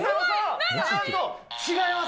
違います。